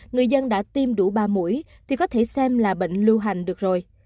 người dân đã tiêm đủ ba mũi thì có thể xem là bệnh lưu hành được rồi